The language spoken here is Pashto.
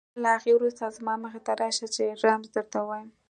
له هغې وروسته زما مخې ته راشه چې رمز درته ووایم.